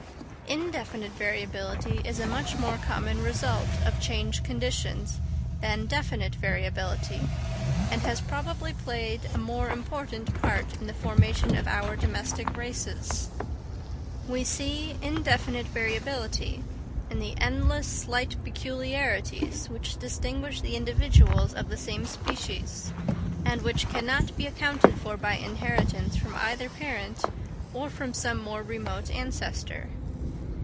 In definite variability is a much more common result of changed conditions than definite variability, and has probably played a more important part in the formation of our domestic races. We see in definite variability in the endless slight peculiarities which distinguish the individuals of the same species, and which cannot be accounted for by inheritance from either parent or from some more remote ancestor.